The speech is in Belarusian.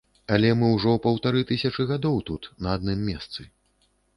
Але мы ўжо паўтары тысячы гадоў тут, на адным месцы.